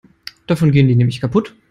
Davon gehen die nämlich kaputt.